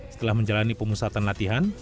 setelah menjalani pemusatan latihan